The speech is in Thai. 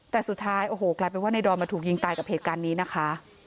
แต่สุดท้ายโอ้โหกลายเป็นว่าในดอนมาถูกยิงตายกับเหตุการณ์นี้นะคะ